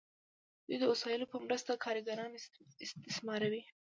دوی د وسایلو په مرسته کارګران استثماروي.